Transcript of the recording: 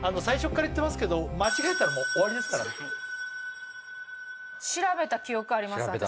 最初から言ってますけど間違えたらもう終わりですからね調べた記憶あります